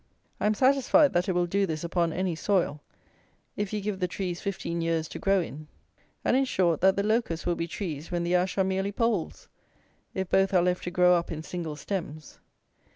I am satisfied that it will do this upon any soil, if you give the trees fifteen years to grow in; and, in short, that the locusts will be trees when the ash are merely poles, if both are left to grow up in single stems.